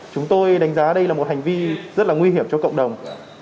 chúng tôi đánh giá đây là một hành vi rất là nguy hiểm cho cộng đồng